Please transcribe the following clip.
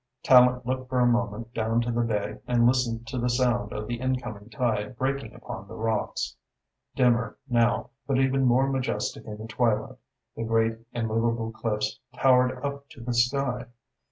Tallente looked for a moment down to the bay and listened to the sound of the incoming tide breaking upon the rocks. Dimmer now, but even more majestic in the twilight, the great, immovable cliffs towered up to the sky.